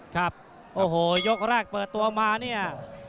ครับโอ้โหยกแรกเปิดตัวมาเนี่ย